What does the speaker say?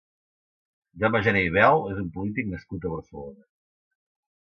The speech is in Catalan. Jaume Jané i Bel és un polític nascut a Barcelona.